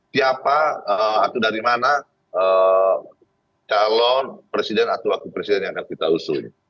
siapa atau dari mana calon presiden atau wakil presiden yang akan kita usung